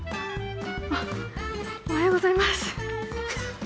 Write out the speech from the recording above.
あおはようございます。